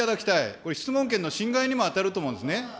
これ、質問権の侵害にも当たると思うんですね。